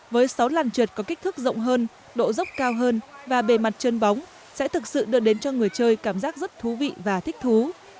với sáu làn trượt có kích thước rộng hơn độ dốc cao hơn và bề mặt trơn bóng sẽ thực sự đưa đến cho người chơi cảm giác rất thú vị và thích thú